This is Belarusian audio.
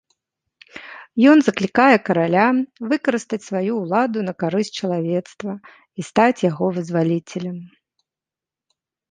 Ён заклікае караля выкарыстаць сваю ўладу на карысць чалавецтва і стаць яго вызваліцелем.